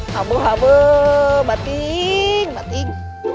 habu habu batin batin